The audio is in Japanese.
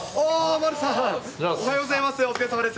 丸さん、おはようございます。